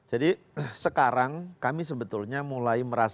jadi sekarang kami sebetulnya mulai merasakan